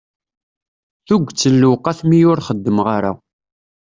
Tuget n lewqat mi ur xeddmeɣ ara.